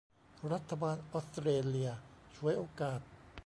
รัฐบาลออสเตรเลียฉวยโอกาส